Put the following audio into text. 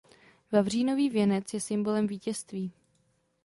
Vavřínový věnec je symbolem vítězství.